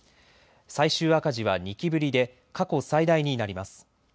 最終赤字は２期ぶりで過去最大になります。